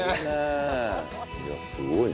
いやすごいな。